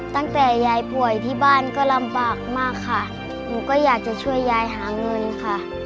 ตั้งแต่ยายป่วยที่บ้านก็ลำบากมากค่ะหนูก็อยากจะช่วยยายหาเงินค่ะ